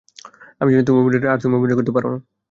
আমি জানি তুমি অভিনেত্রী না, আর তুমি অভিনয় করতে পারনা।